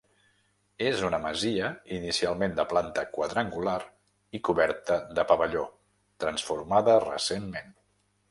És una masia inicialment de planta quadrangular i coberta de pavelló, transformada recentment.